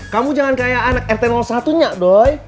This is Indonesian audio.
kamu jangan kaya anak rt satu nya doi